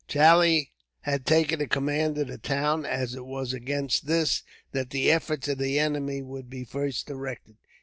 Charlie had taken the command of the town, as it was against this that the efforts of the enemy would be first directed.